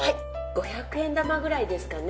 ５００円玉くらいですかね。